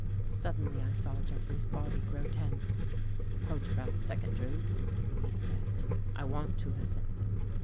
Suddenly I saw Jeffrey's body grow tense. " Hold your breath a second. Drew," he said. I want to listen."